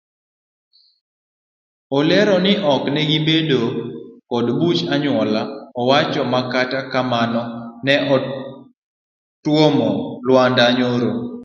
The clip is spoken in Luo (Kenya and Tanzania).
Olero ni ne gibedo kod buch anyuola ewachno makata kamano ne otuomo lwanda nyoro.